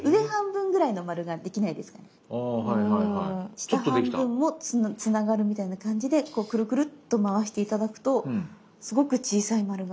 下半分もつながるみたいな感じでこうクルクルっと回して頂くとすごく小さい丸が。